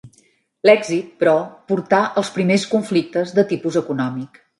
L'èxit, però, portà als primers conflictes de tipus econòmic.